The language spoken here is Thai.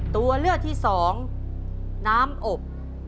ตัวเลือกที่สองน้ำอบ